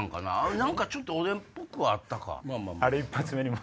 何かおでんっぽくはあったか。